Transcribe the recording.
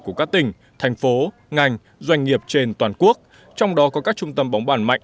của các tỉnh thành phố ngành doanh nghiệp trên toàn quốc trong đó có các trung tâm bóng bàn mạnh